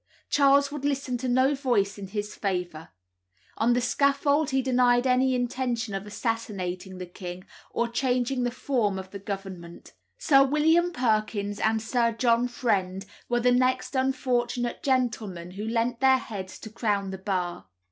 Charles would listen to no voice in his favour. On the scaffold he denied any intention of assassinating the king or changing the form of government. Sir William Perkins and Sir John Friend were the next unfortunate gentlemen who lent their heads to crown the Bar.